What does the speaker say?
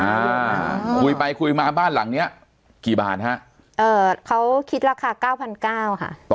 อ่าคุยไปคุยมาบ้านหลังเนี้ยกี่บาทฮะเอ่อเขาคิดราคาเก้าพันเก้าค่ะ